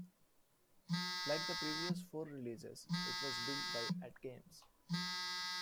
Like the previous four releases, it was built by AtGames.